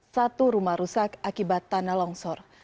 satu rumah rusak akibat tanah longsor